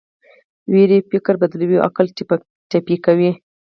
ویرې فکر بدلوي او عقل ټپي کوي.